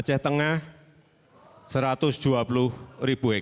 saya hanya ingin menyampaikan bahwa